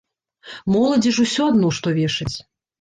Моладзі ж усё адно, што вешаць.